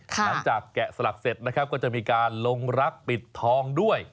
แกะสลักเสร็จนะครับก็จะมีการลงรักปิดทองด้วย